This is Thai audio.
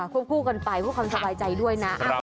ควบคู่กันไปควบความสบายใจด้วยนะ